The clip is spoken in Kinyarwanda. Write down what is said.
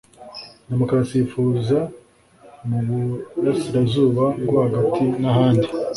demokarasi yifuza mu burasirazuba bwo hagati n'ahandi